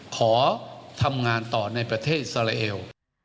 ขอทำงานต่อในประเทศอิสราเอล